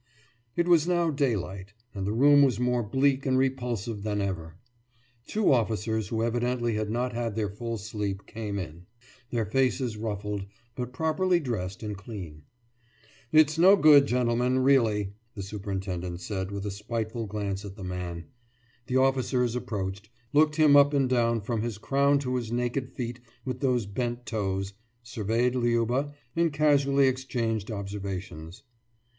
It was now daylight, and the room was more bleak and repulsive than ever. Two officers who evidently had not had their full sleep came in, their faces ruffled, but properly dressed and clean. »It's no good, gentlemen, really,« the superintendent said with a spiteful glance at the man. The officers approached, looked him up and down from his crown to his naked feet with those bent toes, surveyed Liuba, and casually exchanged observations.